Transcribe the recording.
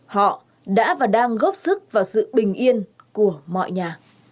họ đã và đang góp sức vào sự bình yên của mọi nhà